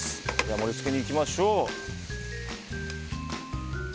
盛り付けにいきましょう。